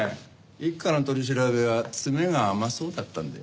一課の取り調べは詰めが甘そうだったんで。